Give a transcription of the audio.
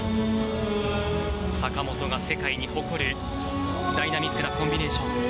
坂本が世界に誇るダイナミックなコンビネーション。